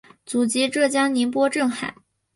祖籍浙江宁波镇海。